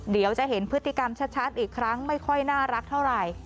เดี๋ยวจะเห็นพฤติกรรมชัดอีกครั้งไม่ค่อยน่ารักเท่าไหร่